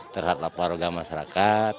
terhadap warga masyarakat